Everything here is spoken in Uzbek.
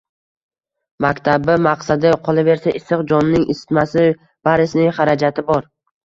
Maktabi, maqsadi, qolaversa issiq jonning isitmasi – barisining xarajati bor